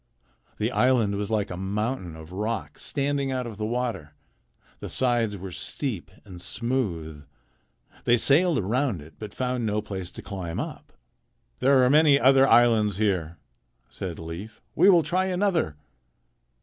The island was like a mountain of rock standing out of the water. The sides were steep and smooth. They sailed around it, but found no place to climb up. "There are many other islands here," said Leif. "We will try another."